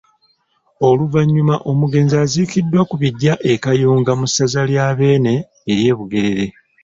Oluvannyuma omugenzi aziikiddwa ku biggya e Kayunga mu ssaza lya Bbeene ery’e Bugerere.